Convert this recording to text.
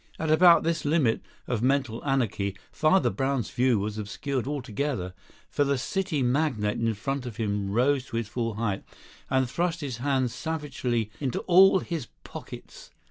At about this limit of mental anarchy Father Brown's view was obscured altogether; for the City magnate in front of him rose to his full height and thrust his hands savagely into all his pockets.